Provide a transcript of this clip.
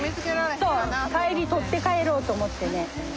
そう帰り取って帰ろうと思ってね。